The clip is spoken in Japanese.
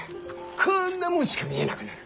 こんなもんしか見えなくなる！